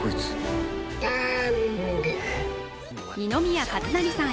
二宮和也さん